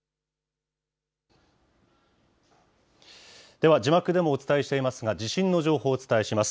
では、字幕でもお伝えしていますが、地震の情報をお伝えします。